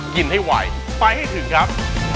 กินให้ไวไปให้ถึงครับ